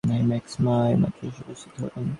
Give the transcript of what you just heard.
হেই, Max, মা এইমাত্র এসে উপস্থিত হলেন।